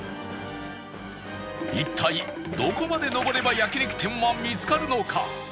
一体どこまで上れば焼肉店は見つかるのか？